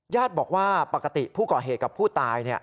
ญาติบอกว่าปกติผู้ก่อเหตุกับผู้ตาย